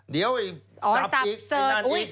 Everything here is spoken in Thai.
เดี๋ยวอีกทรัพย์อีกนานอีก